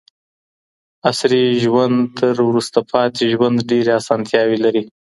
عصري ژوند تر وروسته پاتې ژوند ډېرې اسانتیاوې لري.